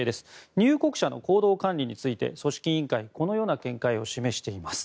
入国者の行動管理について組織委員会はこのような見解を示しています。